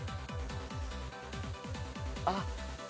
あっ。